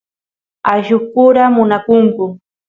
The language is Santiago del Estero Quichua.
ayllus pura munakunku